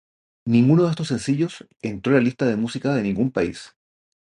Ninguno de estos sencillos entró en la lista de música de ningún país.